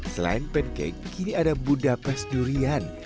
selain pancake kini ada budapes durian